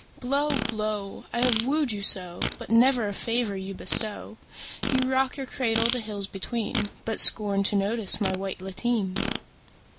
Blow, blow! I have wooed you so, But never a favour you bestow. You rock your cradle the hills between, But scorn to notice my white lateen.